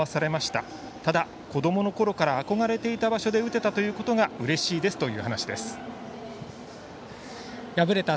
ただ、子どものころから憧れていた場所で打てたということはうれしいですという話でした。